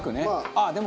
ああでも。